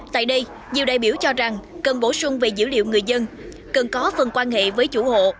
tại đây nhiều đại biểu cho rằng cần bổ sung về dữ liệu người dân cần có phần quan hệ với chủ hộ